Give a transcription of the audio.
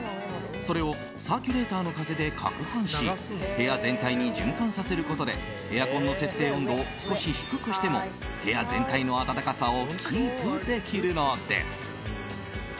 それをサーキュレーターの風でかくはんし部屋全体に循環させることでエアコンの設定温度を少し低くしても部屋全体の暖かさをキープできるのです。